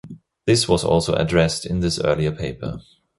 This was also addressed in this earlier paper.